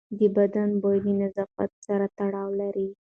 د بدن بوی د نظافت سره تړاو لري.